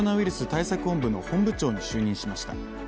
対策本部の本部長に就任しました。